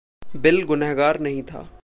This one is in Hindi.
बिल गुनहगार नहीं था।